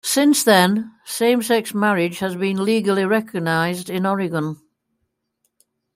Since then, same-sex marriage has been legally recognized in Oregon.